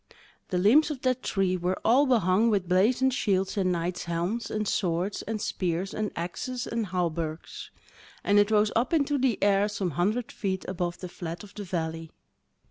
The limbs of that tree were all behung with blazoned shields and knight's helms, and swords, and spears, and axes, and hawberks; and it rose up into the air some hundred feet above the flat of the valley.